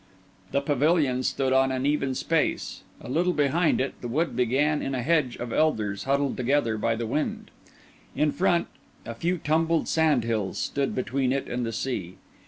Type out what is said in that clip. The Pavilion stood on an even space; a little behind it, the wood began in a hedge of elders huddled together by the wind; in front, a few tumbled sand hills stood between it and the sea.